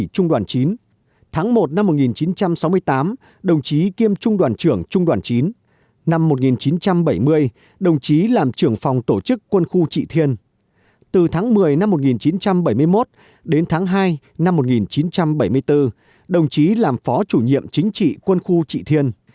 từ tháng một mươi năm một nghìn chín trăm bảy mươi một đến tháng hai năm một nghìn chín trăm bảy mươi bốn đồng chí làm phó chủ nhiệm chính trị quân khu trị thiên